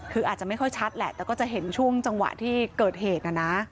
คืออาจจะไม่ค่อยชัดแหละแต่ก็จะเห็นช่วงจังหวะที่เกิดเหตุนะนะ